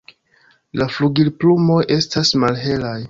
La flugilplumoj estas malhelaj.